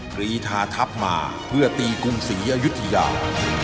กรีธาทัพมาเพื่อตีกรุงศรีอยุธยา